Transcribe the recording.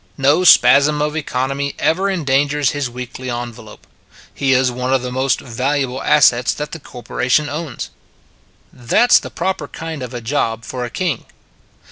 No spasm of economy ever endangers his weekly envelope. He is one of the most valuable assets that the corporation owns. That s the proper kind of a job for a king.